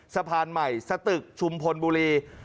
สะพานใหม่สตึกชุมพลบุรี